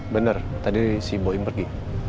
bener tadi si boim pergi